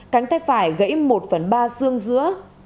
cánh tay phải gãy một phần ba xương giữa